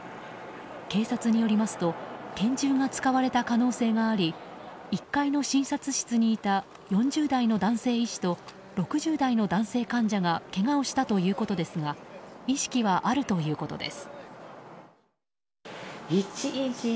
警察によりますと拳銃が使われた可能性があり１階の診察室にいた４０代の男性医師と６０代の男性患者がけがをしたということですが意識はあるということです。